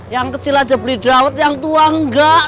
yang kecil aja beli dawet yang tua enggak